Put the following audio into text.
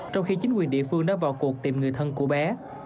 trong khi chính quyền địa phương đã vào cuộc tìm người thân của bé